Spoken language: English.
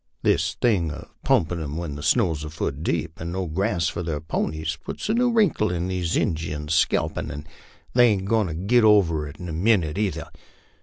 This thing of pump in' 'em when the snow's a foot deep, and no grass for their ponies, puts a new wrinkle in these Injuns' scalp, an' they ain't goin' to git over it in a minnit either.